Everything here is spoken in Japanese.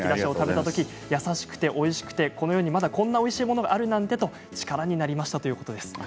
食べたとき優しくておいしくてこの世にまだこんなおいしいものがあるなんてと力になりましたということです。